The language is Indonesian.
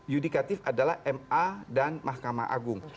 yudikatif adalah ma dan mahkamah agung